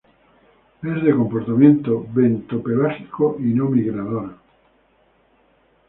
Es de comportamiento bentopelágico y no migrador.